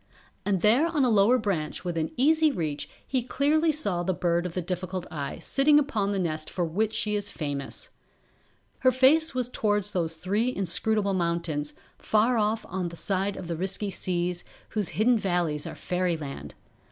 And there on a lower branch within easy reach he clearly saw the Bird of the Difficult Eye sitting upon the nest for which she is famous. Her face was towards those three inscrutable mountains, far off on the other side of the risky seas, whose hidden valleys are Fairyland.